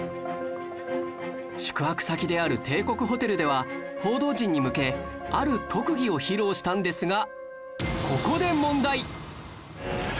宿泊先である帝国ホテルでは報道陣に向けある特技を披露したんですが